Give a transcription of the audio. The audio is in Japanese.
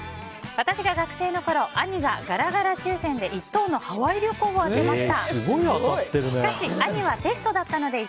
私が学生のころ、兄がガラガラ抽選で１等のハワイ旅行を当てました。